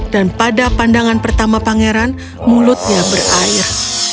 dan pada pandangan pertama pangeran mulutnya berair